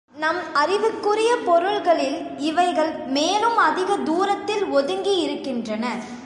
நம் அறிவுக்குரிய பொருள்களில் இவைகள் மேலும் அதிகத் தூரத்தில் ஒதுங்கியிருக்கின்றன.